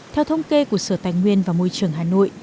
theo thống kê của sở tài nguyên và môi trường hà nội